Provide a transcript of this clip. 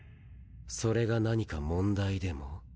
それが何か問題でも？